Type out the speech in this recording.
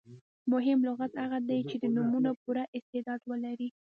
مهم لغت هغه دئ، چي د نومونو پوره استعداد ولري.